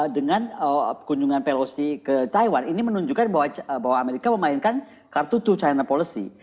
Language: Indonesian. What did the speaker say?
dengan kunjungan pelosi ke taiwan ini menunjukkan bahwa amerika memainkan kartu two china policy